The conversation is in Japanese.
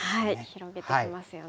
広げてきますよね。